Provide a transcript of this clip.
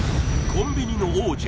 コンビニの王者